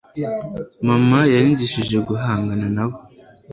mama yanyigishije guhangana nabo